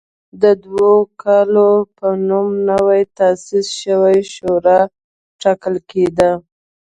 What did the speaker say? د دوکال په نوم نوې تاسیس شوې شورا ټاکل کېده.